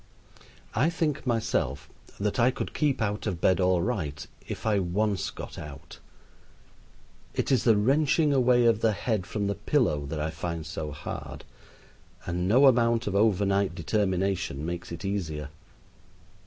I think myself that I could keep out of bed all right if I once got out. It is the wrenching away of the head from the pillow that I find so hard, and no amount of over night determination makes it easier.